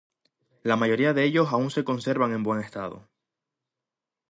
La mayoría de ellos aún se conservan en buen estado.